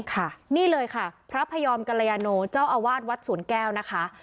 ค่ะนี่เลยค่ะพระพยอมกรยาโนเจ้าอาวาสวัดสวนแก้วนะคะ